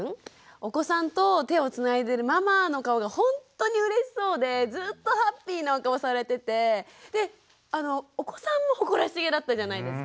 お子さんと手をつないでるママの顔がほんとにうれしそうでずっとハッピーなお顔されててでお子さんも誇らしげだったじゃないですか。